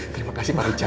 terima kasih pak rijal